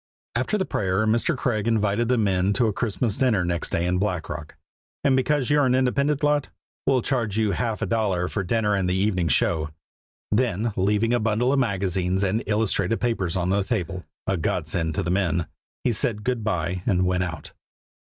After the prayer Mr. Craig invited the men to a Christmas dinner next day in Black Rock. "And because you are an independent lot, we'll charge you half a dollar for dinner and the evening show." Then leaving a bundle of magazines and illustrated papers on the table a godsend to the men he said good by and went out.